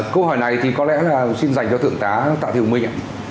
câu hỏi này thì có lẽ là xin dành cho thượng tá tạ thiều minh ạ